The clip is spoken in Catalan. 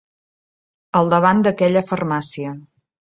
Al davant d'aquella farmàcia.